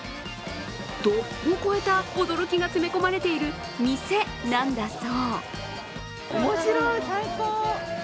度を超えた驚きが詰め込まれている店なんだそう。